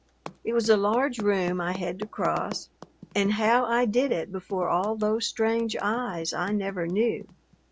It was a large room I had to cross, and how I did it before all those strange eyes I never knew.